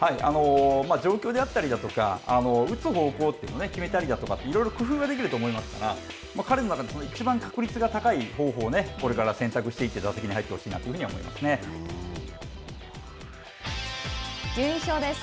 状況であったりだとか、打つ方向というのを決めたりだとか、いろいろ工夫ができると思いますから彼の中でいちばん確率が高い方法をこれから選択していって打席に入ってほしいなというふうに思順位表です。